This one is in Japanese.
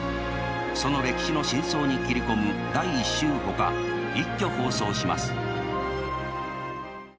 その歴史の真相に切り込む「第１集」ほか一挙放送します。